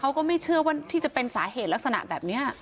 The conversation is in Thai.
ก็ไม่เชื่อว่าที่จะเป็นสาเหตุลักษณะแบบนี้